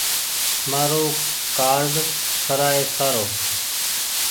مآرو ڪآرڊ ٺرآئي سارو۔